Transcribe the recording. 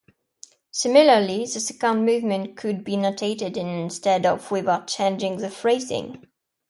Similarly, the second movement could be notated in instead of without changing the phrasing.